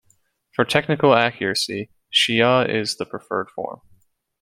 For technical accuracy Shi'ah is the preferred form.